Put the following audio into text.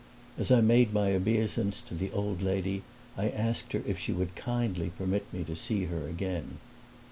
As I made my obeisance to the old lady I asked her if she would kindly permit me to see her again.